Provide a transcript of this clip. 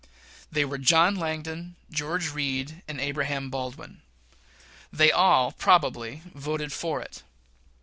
They were John Langdon, George Read, and Abraham Baldwin. They all, probably, voted for it.